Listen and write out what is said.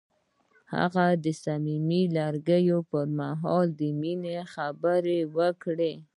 هغه د صمیمي لرګی پر مهال د مینې خبرې وکړې.